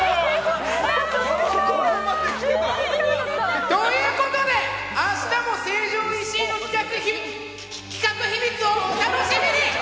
ここまで来てた？ということで、明日も成城石井の企画秘密をお楽しみに！